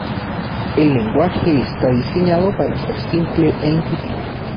El lenguaje está diseñado para ser simple e intuitivo.